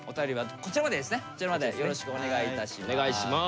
こちらまでよろしくお願いいたします。